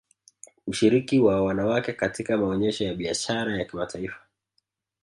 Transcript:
Ushiriki wa wanawake katika maonesho ya Biashara ya kimataifa